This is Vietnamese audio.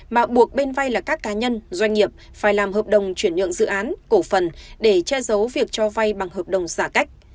mà buộc bên vay là các cá nhân doanh nghiệp phải làm hợp đồng chuyển nhượng dự án cổ phần để che giấu việc cho vay bằng hợp đồng giả cách